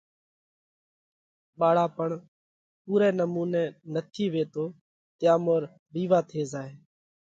ٻاۯاپڻ پُورئہ نمُونئہ نٿِي وِيتتو تيا مور وِيوا ٿي زائھ۔